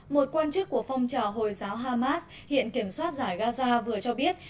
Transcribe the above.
một quan chức của phong trào hồi giáo hamas hiện kiểm soát giải gaza vừa cho biết